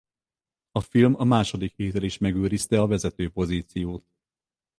A film a második hétre is megőrizte a vezető pozíciót.